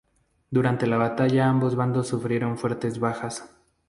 Durante la batalla ambos bandos sufrieron fuertes bajas.